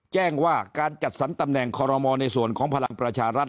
แจ้งว่าการจัดสรรตำแหน่งคอรมอลในส่วนของพลังประชารัฐ